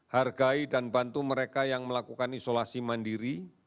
hargai dan bantu mereka yang melakukan isolasi mandiri